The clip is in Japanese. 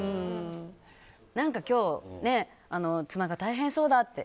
何か今日妻が大変そうだと。